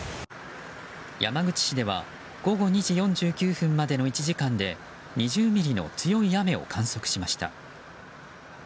山口市では午後２時４９分までの１時間で２０ミリの強い雨を観測しました。